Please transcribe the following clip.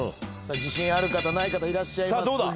自信ある方ない方いらっしゃいますが。